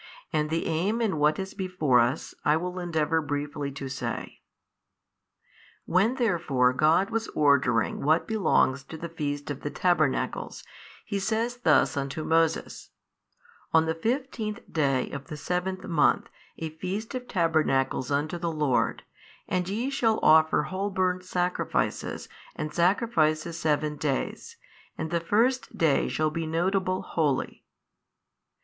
And the aim in what is before us I will endeavour briefly to say. When therefore God was ordering what belongs to the feast of tabernacles, He says thus unto Moses, On the fifteenth day of the seventh month a feast of tabernacles unto the Lord, and ye shall offer whole burnt sacrifices and sacrifices seven days, and the first day shall be notable holy 5.